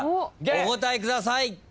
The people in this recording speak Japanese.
お答えください。